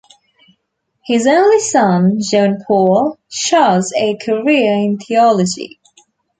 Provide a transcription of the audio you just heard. His only son, Johan Paul, chose a career in theology.